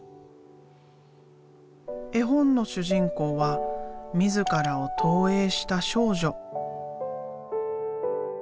絵本の主人公は自らを投影した少女。